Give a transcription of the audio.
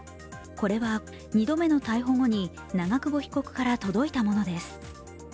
これは２度目の逮捕後に長久保被告から届いたものです。